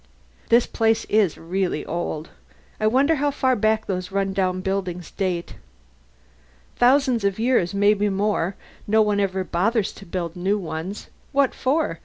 "This place is really old. I wonder how far back those run down buildings date." "Thousand years, maybe more. No one ever bothers to build new ones. What for?